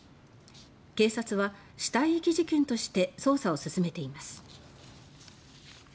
警察は、死体遺棄事件として捜査を進めています。